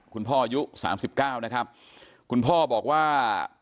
คุณพ่ออายุสามสิบเก้านะครับคุณพ่อบอกว่า